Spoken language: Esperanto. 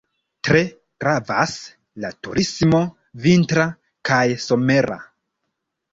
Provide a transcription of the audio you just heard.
Tre gravas la turismo vintra kaj somera.